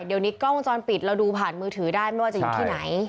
เดี๋ยวนี้กล้องวงจรปิดเราดูผ่านมือถือได้ไม่ว่าจะอยู่ที่ไหน